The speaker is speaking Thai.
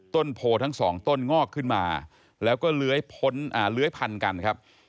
ต้นโพทั้งสองต้นงอกขึ้นมาแล้วก็เลื้อยพ้นเลื้อยพันกันครับ